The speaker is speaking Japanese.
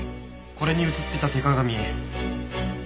これに映ってた手鏡。